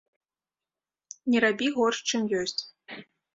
Не рабі горш, чым ёсць.